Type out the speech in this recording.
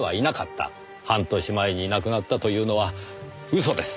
半年前に亡くなったというのは嘘です。